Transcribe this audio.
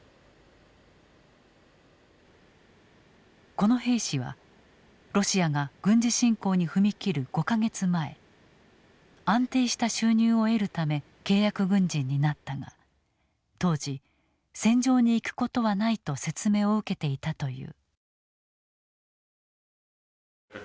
この兵士はロシアが軍事侵攻に踏み切る５か月前安定した収入を得るため契約軍人になったが当時戦場に行くことはないと説明を受けていたという。